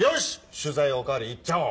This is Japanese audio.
取材お代わり行っちゃおう！